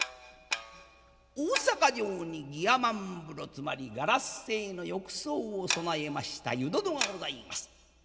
大坂城にギヤマン風呂つまりガラス製の浴槽を備えました湯殿がございます。